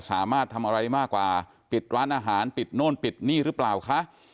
สามารถทำอะไรมากกว่าปิดร้านอาหารปิดโน่นปิดนี่หรือเปล่าคะ